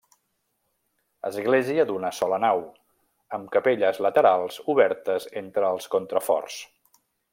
Església d'una sola nau, amb capelles laterals obertes entre els contraforts.